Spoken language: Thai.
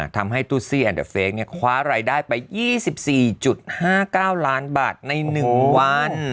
ทำให้ตู้ซี่แอนเดอร์เฟคคว้ารายได้ไป๒๔๕๙ล้านบาทใน๑วัน